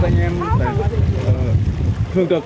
anh em sẽ thương trực